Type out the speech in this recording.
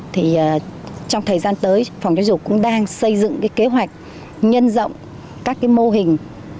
thì trong thời gian tới phòng giáo dục cũng đang xây dựng cái kế hoạch nhân rộng các cái mô hình